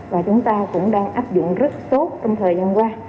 và chúng ta cũng đang áp dụng rất tốt trong thời gian qua